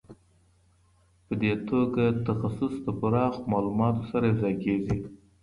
په دې توګه تخصص د پراخ معلوماتو سره یو ځای کیږي.